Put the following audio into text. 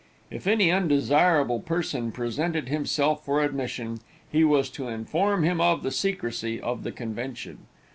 If any undesirable person presented himself for admission, he was to inform him of the secrecy of the convention.